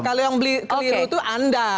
kalau yang beli keliru itu anda